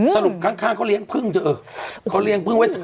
สรุปข้างเขาเลี่ยงผึ้งเขาเลี่ยงผึ้งไว้